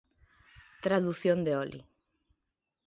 Tradución de Oli.